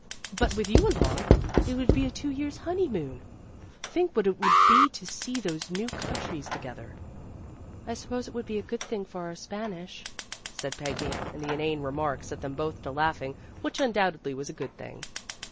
But with you along, it would be a two years ' honey moon. Think what it would be to see those new countries together. '' "I suppose it would be a good thing for our Spanish," said Peggy, and the inane remark set them both to laughing, which undoubtedly was a good thing.